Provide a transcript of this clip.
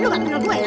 lo gak kenal gue ya